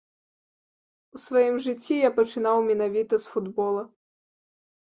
У сваім жыцці я пачынаў менавіта з футбола.